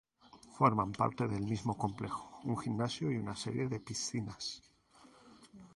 Forman parte del mismo complejo un gimnasio y una serie de piscinas.